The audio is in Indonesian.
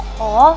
kau kasih tau yuk